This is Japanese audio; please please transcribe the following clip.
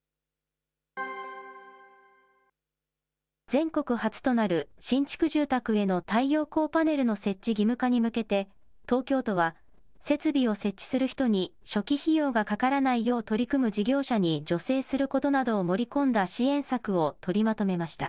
全国初となる新築住宅への太陽光パネルの設置義務化に向けて、東京都は、設備を設置する人に初期費用がかからないよう取り組む事業者に助成することなどを盛り込んだ支援策を取りまとめました。